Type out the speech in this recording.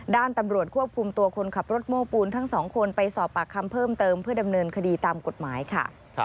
ด้านตำรวจควบคุมตัวคนขับรถโม้ปูนทั้งสองคนไปสอบปากคำเพิ่มเติมเพื่อดำเนินคดีตามกฎหมายค่ะ